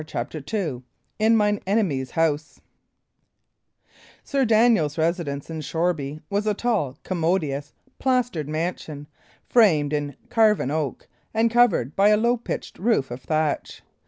CHAPTER II "IN MINE ENEMIES' HOUSE" Sir Daniel's residence in Shoreby was a tall, commodious, plastered mansion, framed in carven oak, and covered by a low pitched roof of thatch.